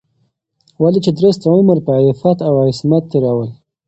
ولې چې درست عمر په عفت او عصمت تېرول